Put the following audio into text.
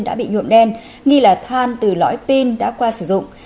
đã bị nhuộm đen nghi là than từ lõi pin đã qua sử dụng